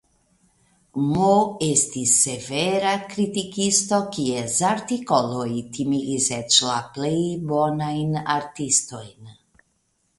M. estis severa kritikisto, kies artikoloj timigis eĉ la plej bonajn artistojn.